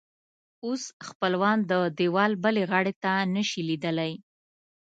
اوس خپلوان د دیوال بلې غاړې ته نه شي لیدلی.